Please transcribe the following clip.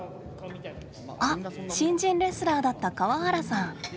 あっ新人レスラーだった河原さん。